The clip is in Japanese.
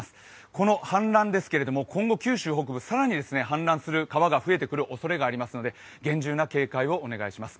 この氾濫ですが、今後九州北部、氾濫する川が増えてくるおそれがありますので厳重な警戒をお願いします。